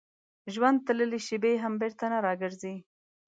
ژوند تللې شېبې هم بېرته نه راګرځي.